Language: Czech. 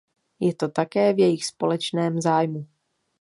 Je to také v jejich společném zájmu.